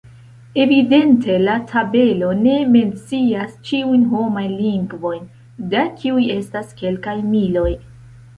Evidente la tabelo ne mencias ĉiujn homajn lingvojn, da kiuj estas kelkaj miloj.